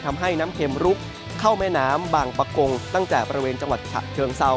ทำให้น้ำเข็มลุกเข้าแม่น้ำบางประกงตั้งแต่บริเวณจังหวัดฉะเชิงเซา